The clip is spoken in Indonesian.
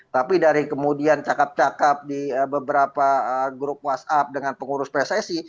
tapi dari kemudian cakap cakap di beberapa grup whatsapp dengan pengurus pssi